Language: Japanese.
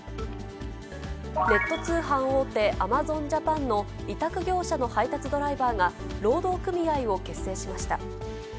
ネット通販大手、アマゾンジャパンの委託業者の配達ドライバーが、労働組合を結成しました。